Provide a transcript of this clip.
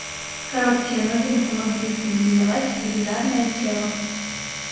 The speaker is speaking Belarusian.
Кароткія ногі дапамагалі стабілізаваць велізарнае цела.